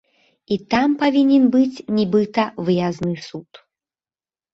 І там павінен быць, нібыта, выязны суд.